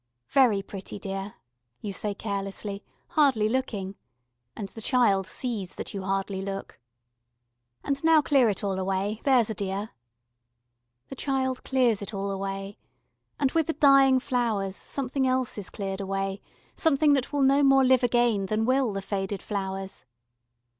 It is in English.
"Very pretty, dear," you say carelessly, hardly looking and the child sees that you hardly look, "and now clear it all away, there's a dear!" The child clears it all away, and with the dying flowers something else is cleared away, something that will no more live again than will the faded flowers.